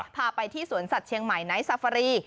พาไปที่สวนสัตว์เชียงใหม่ไนท์ซาฟารี